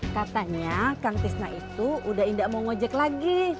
katanya kang tisna itu udah indah mau ngojek lagi